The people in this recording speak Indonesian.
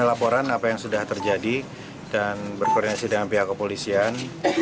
laporan apa yang sudah terjadi dan berkoordinasi dengan pihak kepolisian